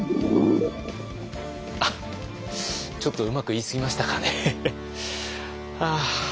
あっちょっとうまく言いすぎましたかね。